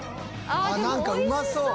「あっなんかうまそう」